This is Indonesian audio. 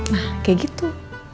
nah kayak gitu